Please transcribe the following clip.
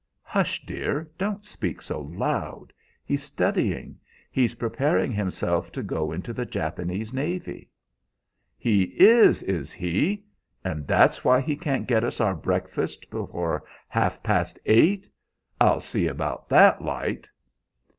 "Hush, dear; don't speak so loud. He's studying. He's preparing himself to go into the Japanese navy." "He is, is he! And that's why he can't get us our breakfast before half past eight. I'll see about that light!"